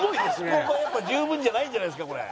「発酵がやっぱ十分じゃないんじゃないですか」